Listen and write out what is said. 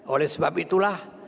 oleh sebab itulah